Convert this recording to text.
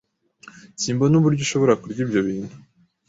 Simbona uburyo ushobora kurya ibyo bintu.